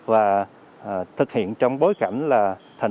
và thực hiện trong bối cảnh là tp hcm